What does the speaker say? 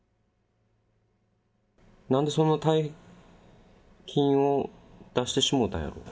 なんでそんな大金を出してしもうたんやろ？